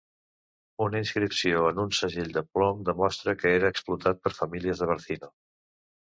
Una inscripció en un segell de plom demostra que era explotat per famílies de Barcino.